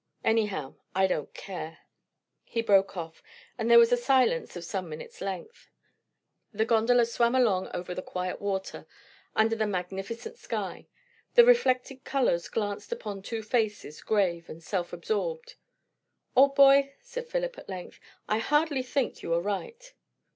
Anyhow, I don't care " He broke off, and there was a silence of some minutes' length. The gondola swam along over the quiet water, under the magnificent sky; the reflected colours glanced upon two faces, grave and self absorbed. "Old boy," said Philip at length, "I hardly think you are right."